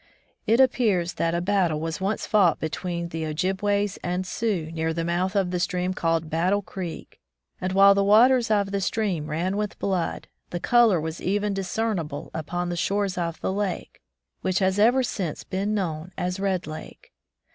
It appears that a battle was once fought between Ojibways and Sioux near the mouth of the stream called Battle Creek, and while the waters of the stream ran mth blood, the color was even discernible upon the shores of the lake, which has ever since been known as Red Lake.